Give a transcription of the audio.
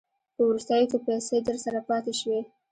په وروستیو کې که پیسې درسره پاته شوې